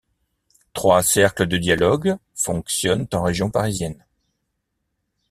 Trois cercles de dialogue fonctionnent en région parisienne.